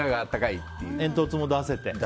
煙突も出せて。